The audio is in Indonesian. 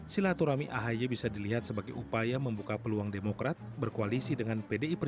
silaturahmi ahaye bisa dilihat sebagai upaya membuka peluang demokrat berkoalisi dengan partai penyokong jokowi dan maruf